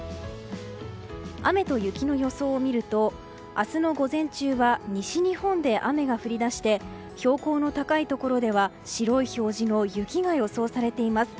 雨と雪の予想を見ると明日の午前中は西日本で雨が降り出して標高の高いところでは白い表示の雪が予想されています。